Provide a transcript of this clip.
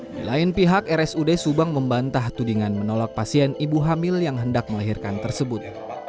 di lain pihak rsud subang membantah tudingan menolak pasien ibu hamil yang hendak melahirkan tersebut